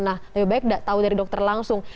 nah lebih baik tidak tahu dari dokter langsung